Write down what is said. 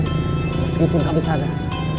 meskipun kami sadar